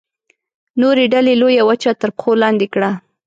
نورې ډلې لویه وچه تر پښو لاندې کړه.